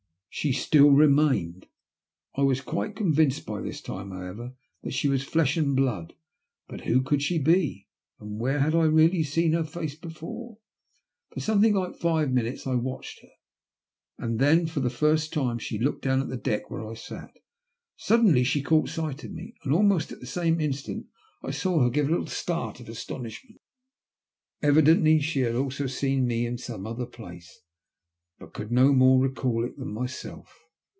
She still remained. I was quite convinced by this time, however, that she was flesh and blood. But who could she be, and where had I really seen her face before ? For something like five minutes I watched her, and then for the first time she looked down at the deck where I sat. Suddenly she caught sight of me, and almost at the same instant I saw her give a httle start of astonishment. Evidently she had also seen me in some other place, but could no more recall it than myself.